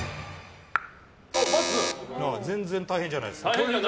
全然、大変じゃないです。